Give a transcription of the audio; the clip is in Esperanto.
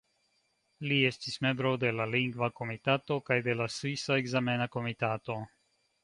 Li estis membro de la Lingva Komitato kaj de la Svisa Ekzamena Komitato.